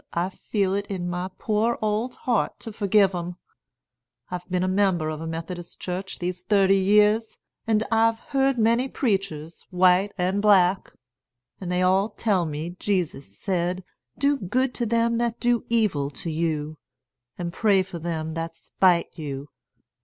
I feel it in my poor old heart to forgive 'em. I've been member of a Methodist church these thirty years, an' I've heard many preachers, white and black; an' they all tell me Jesus said, Do good to them that do evil to you, an' pray for them that spite you.